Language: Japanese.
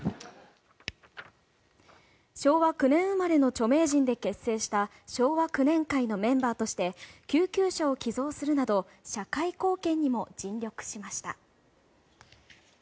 昭和９年生まれの著名人で結成した昭和九年会のメンバーとして救急車を寄贈するなど社会貢献にも尽力しました。